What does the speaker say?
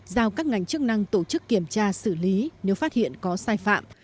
giao các ngành chức năng tổ chức kiểm tra xử lý nếu phát hiện có sai phạm